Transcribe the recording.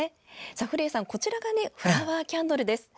古谷さん、こちらがフラワーキャンドルです。